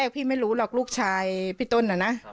พี่ไม่รู้หรอกลูกชายพี่ต้นน่ะนะ